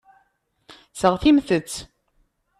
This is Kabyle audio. Seɣtimt-tt.